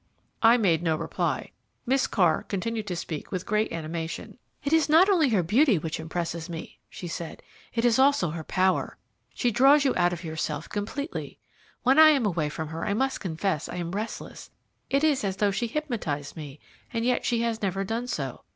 I made no reply; Miss Carr continued to speak with great animation. "It is not only her beauty which impresses one," she said, "it is also her power she draws you out of yourself completely. When I am away from her I must confess I am restless it is as though she hypnotized me, and yet she has never done so.